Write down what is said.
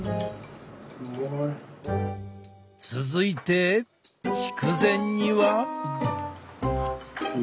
続いて筑前煮は？